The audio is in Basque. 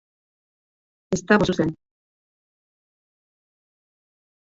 Ez dago zuzen.